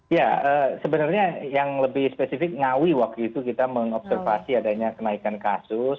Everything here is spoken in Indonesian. ya sebenarnya yang lebih spesifik ngawi waktu itu kita mengobservasi adanya kenaikan kasus